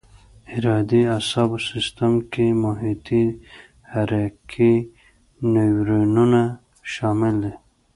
ارادي اعصابو سیستم کې محیطي حرکي نیورونونه شامل دي.